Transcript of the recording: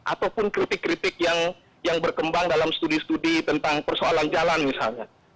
ataupun kritik kritik yang berkembang dalam studi studi tentang persoalan jalan misalnya